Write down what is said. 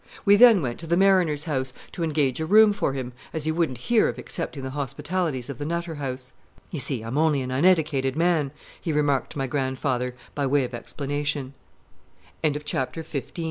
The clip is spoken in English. We then went to the "Mariner's Home" to engage a room for him, as he wouldn't hear of accepting the hospitalities of the Nutter House. "You see, I'm only an uneddicated man," he remarked to my grandfather, by way of explanation. Chapter Sixteen In Which Sailor Ben Spins a Yarn Of